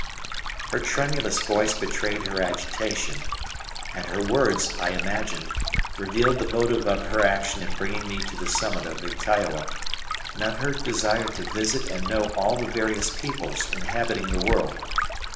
Her tremulous voice betrayed her agitation, and her words, I imagined, revealed the motive of her action in bringing me to the summit of Ytaioa, and of her desire to visit and know all the various peoples inhabiting the world.